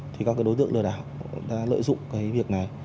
thì các đối tượng lửa đảo đã lợi dụng cái việc này